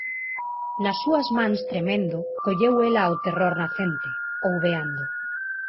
Nas súas mans tremendo colleu ela ao terror nacente, ouveando;